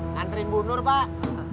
ngantriin bu nur pak